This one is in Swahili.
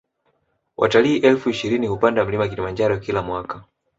watalii elfu ishirini hupanda mlima Kilimanjaro Kila mwaka